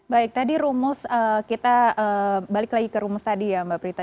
baik tadi rumus kita balik lagi ke rumus tadi ya mbak prita